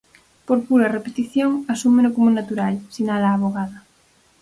Por pura repetición asúmeno como natural, sinala a avogada.